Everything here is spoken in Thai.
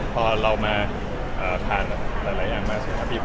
พอเรามาผ่านหลายอย่างมารถที่ครับ